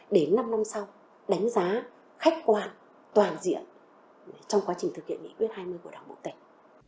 để năm năm sau đánh giá khách quan toàn diện trong quá trình thực hiện nghị quyết hai mươi của đảng bộ tỉnh